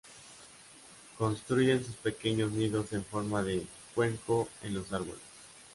Construyen sus pequeños nidos en forma de cuenco en los árboles.